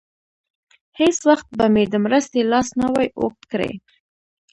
هېڅ وخت به مې د مرستې لاس نه وای اوږد کړی.